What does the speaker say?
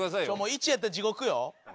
「１」やったら地獄よ。